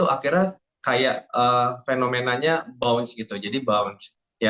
akhirnya kayak fenomenanya bounce gitu jadi bounch